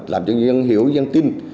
làm cho dân hiểu dân tin